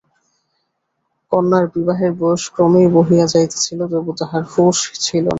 কন্যার বিবাহের বয়স ক্রমেই বহিয়া যাইতেছিল, তবু তাহার হুঁশ ছিল না।